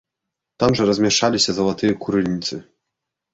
Там жа размяшчаліся залатыя курыльніцы.